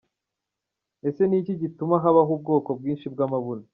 Ese ni iki gituma habaho ubwoko bwinshi bw’amabuno?.